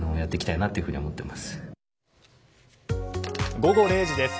午後０時です。